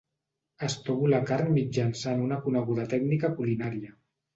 Estovo la carn mitjançant una coneguda tècnica culinària.